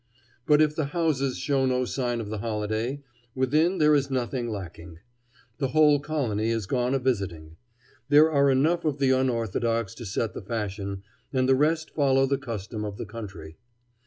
But if the houses show no sign of the holiday, within there is nothing lacking. The whole colony is gone a visiting. There are enough of the unorthodox to set the fashion, and the rest follow the custom of the country.